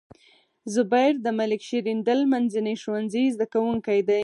زبير د ملک شیریندل منځني ښوونځي زده کوونکی دی.